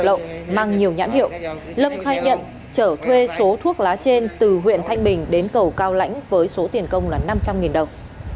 lâm khai nhận chở thuê số thuốc lá trên từ huyện thanh bình đến cầu cao lãnh với số tiền công là năm trăm linh đồng